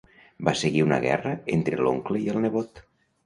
Va seguir una guerra entre l'oncle i el nebot.